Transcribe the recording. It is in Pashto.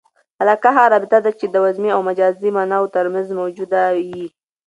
علاقه هغه رابطه ده، چي د وضمي او مجازي ماناوو ترمنځ موجوده يي.